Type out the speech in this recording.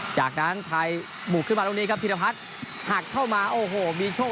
จากนั้นไทยบุกขึ้นมาตรงนี้ครับพิรพัฒน์หักเข้ามาโอ้โหมีโชค